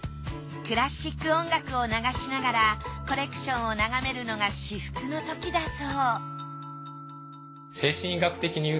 クラシック音楽を流しながらコレクションを眺めるのが至福の時だ